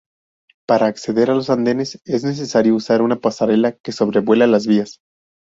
Para acceder a los andenes es necesario usar una pasarela que sobrevuela las vías.